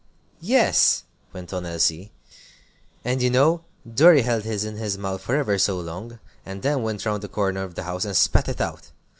"Yes," went on Elsie, "and you know Dorry held his in his mouth for ever so long, and then went round the corner of the house and spat it out!